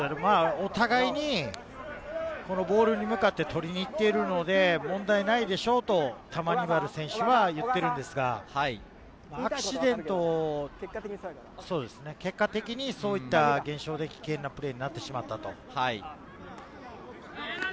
お互いにボールに向かって取りに行っているので、問題ないでしょうと、タマニバル選手は言っているんですが、結果的にそういった現象で危険なプレーになってしまったと。